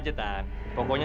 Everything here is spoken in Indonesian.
ah begitu baik adanya